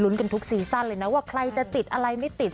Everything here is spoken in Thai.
กันทุกซีซั่นเลยนะว่าใครจะติดอะไรไม่ติด